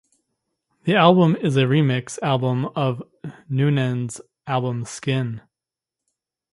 The album is a remix album of Noonan's album "Skin".